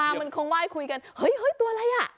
ปลามันคงว่ายคุยกันเฮ้ยตัวอะไรอ่ะ